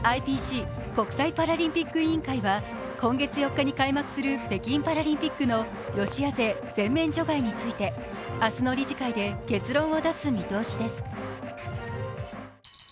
ＩＰＣ＝国際パラリンピック委員会は今月４日に開幕する北京パラリンピックのロシア勢全面除外について明日の理事会で結論を出す見通しです。